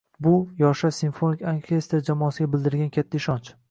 Bu - “Yoshlar simfonik orkestri” jamoasiga bildirilgan katta ishonch...